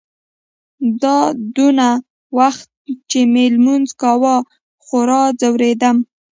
دا دونه وخت چې مې لمونځ کاوه خورا ځورېدم.